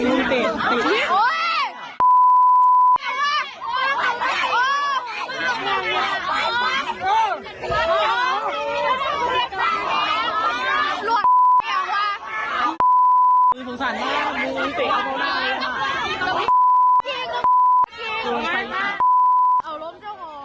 หล่วงติ๊กติ๊กติ๊กติ๊กติ๊กติ๊กติ๊ก